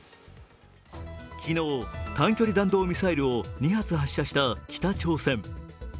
昨日、短距離弾道ミサイルを２発、発射した北朝鮮。